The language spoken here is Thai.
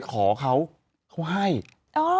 ตั้งแต่หน้าด้านเขาให้ฉันคนเดียว